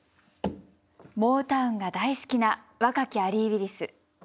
「モータウンが大好きな若きアリー・ウィリス。